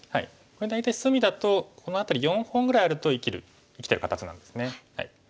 これ大体隅だとこの辺り４本ぐらいあると生きてる形なんですね。